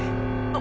あ。